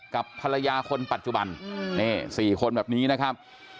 กับภรรยาคนปัจจุบันนี่๔คนแบบนี้นะครับ